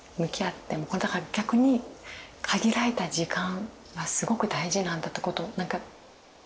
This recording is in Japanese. だから逆に限られた時間はすごく大事なんだってことを何か。